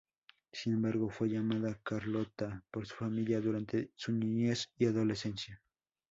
Sin embargo, fue llamada "Carlota" por su familia durante su niñez y adolescencia.